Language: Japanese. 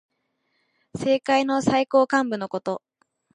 政界の最高幹部のこと。